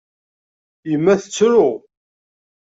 Yemma tettru.